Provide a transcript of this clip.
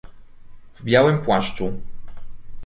"W białym płaszczu."